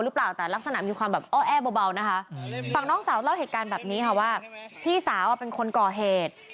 ฟังน้องสาวเล่าเหตุการณ์แบบนี้ค่ะว่าพี่สาวเป็นคนก่อเหตุ